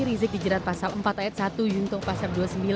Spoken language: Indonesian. rizik dijerat pasal empat aet satu yungto pasar dua puluh sembilan